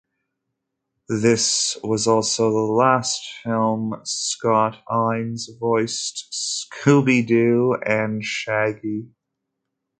This was also the last film Scott Innes voiced Scooby-Doo and Shaggy.